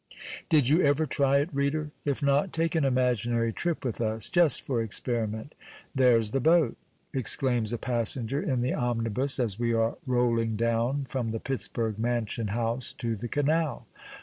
Did you ever try it, reader? If not, take an imaginary trip with us, just for experiment. "There's the boat!" exclaims a passenger in the omnibus, as we are rolling down from the Pittsburg Mansion House to the canal.